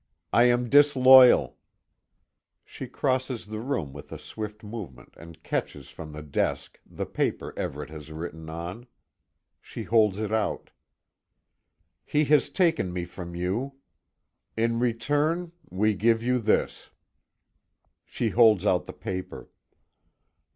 I am disloyal." She crosses the room with a swift movement, and catches from the desk the paper Everet has written on. She holds it out: "He has taken me from you. In return we give you this." She holds out the paper.